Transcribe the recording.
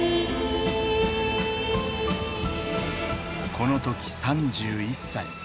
この時３１歳。